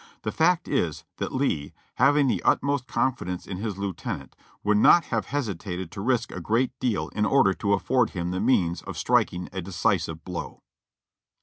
The fact is, that Lee, having the utmost confi dence in his lieutenant, would not have hesitated to risk a great deal in order to afiford him the means of striking a decisive blow."